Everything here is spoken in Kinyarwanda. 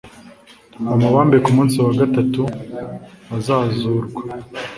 bamubambe ku munsi wa gatatu azazurwa